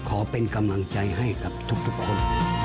ขอเป็นกำลังใจให้กับทุกคน